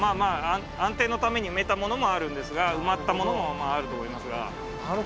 安定のために埋めたものあるんですが埋まったものもあると思いますが。